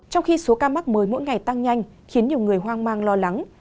trong khi số ca mắc mới mỗi ngày tăng nhanh khiến nhiều người hoang mang lo lắng